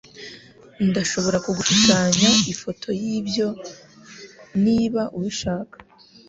Ndashobora kugushushanya ifoto yibyo niba ubishaka.